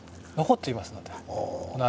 残っていますので。